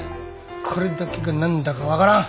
これだけが何だか分からん！